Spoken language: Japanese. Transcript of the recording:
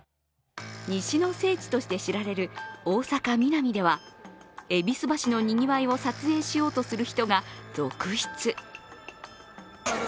西の聖地と知られる大阪・ミナミでは、戎橋のにぎわいを撮影しようとする人たちが続出。